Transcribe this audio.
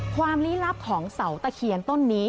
ลี้ลับของเสาตะเคียนต้นนี้